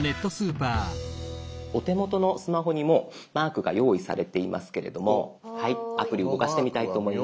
お手元のスマホにもうマークが用意されていますけれどもアプリ動かしてみたいと思います。